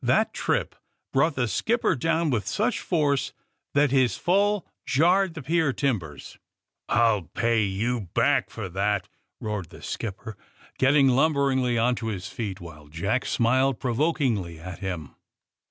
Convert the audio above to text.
That trip brought the skipper down with such force that his fall jarred the pier timbers. *^I'll pay you back for that!" roared the skip per, getting lumberingly on to his feet while Jack smiled provokingly at him.